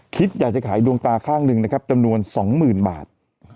คิดจะจะขายดวงตาข้างหนึ่งนะครับจำนวนสองหมื่นบาท